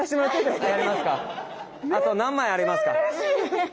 あと何枚ありますか？